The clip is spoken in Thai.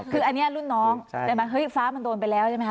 คืออันนี้รุ่นน้องฟ้ามันโดนไปแล้วใช่ไหมคะ